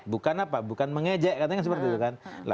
bukan apa bukan mengejek katanya seperti itu kan